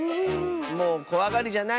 もうこわがりじゃないね。